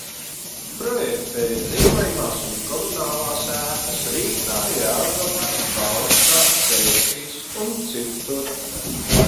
Projektēja dzīvojamās un komunālās ēkas Rīgā, Jelgavā, Bauskā, Cēsīs un citur.